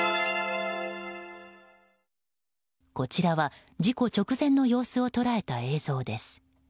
こちらは事故直前の様子を捉えた映像です。